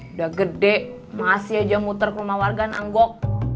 udah gede masih aja muter ke rumah wargan anggok